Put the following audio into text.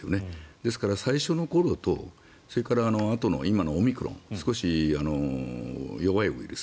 ですから、最初の頃とそれからあとの今のオミクロン少し弱いウイルス。